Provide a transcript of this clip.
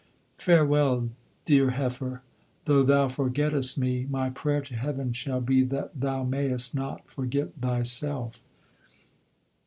Farewell, dear heifer! though thou forgettest me, my prayer to heaven shall be that thou may'st not forget thyself.